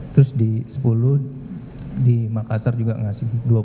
terus di sepuluh di makassar juga ngasih dua puluh